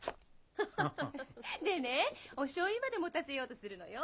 でねお醤油まで持たせようとするのよ。